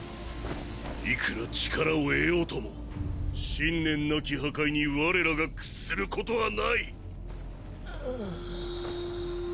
いくら力を得ようとも信念無き破壊に我らが屈する事は無い！ハァア。